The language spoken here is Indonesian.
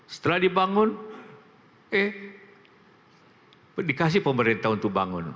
setelah dibangun eh dikasih pemerintah untuk bangun